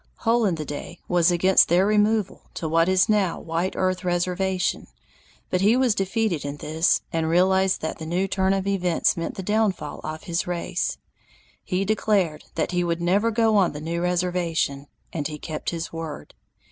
Hole in the Day was against their removal to what is now White Earth reservation, but he was defeated in this and realized that the new turn of events meant the downfall of his race. He declared that he would never go on the new reservation, and he kept his word.